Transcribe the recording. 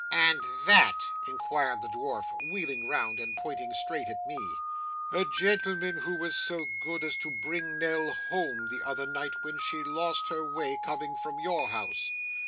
'And that?' inquired the dwarf, wheeling round and pointing straight at me. 'A gentleman who was so good as to bring Nell home the other night when she lost her way, coming from your house.